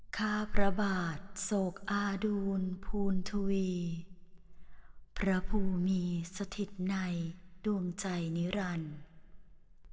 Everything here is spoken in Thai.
ข้าพระบาทโศกอาดูลภูณทวีพระภูมิมีสถิตในดวงใจนิรันดิ์